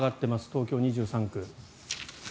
東京２３区。